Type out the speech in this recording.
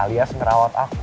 alias ngerawat aku